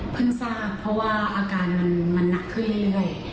ทราบเพราะว่าอาการมันหนักขึ้นเรื่อย